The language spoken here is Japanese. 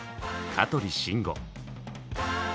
香取慎吾。